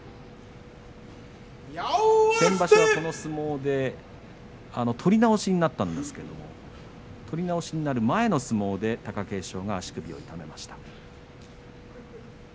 先場所は、この相撲で取り直しになったんですけれども取り直しになる前の相撲で貴景勝が足首を痛めました。